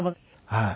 はい。